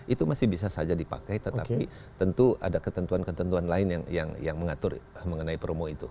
itu masih bisa saja dipakai tetapi tentu ada ketentuan ketentuan lain yang mengatur mengenai promo itu